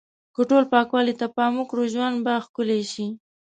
که ټول پاکوالی ته پام وکړو، ژوند به ښکلی شي.